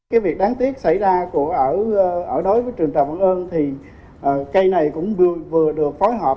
cái việc đáng tiếc xảy ra ở đối với trường trạm vận ơn thì cây này cũng vừa được phối hợp